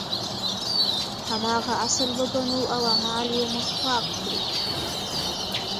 هماغه اصل وګڼو او اعمال یو مخ پاک کړو.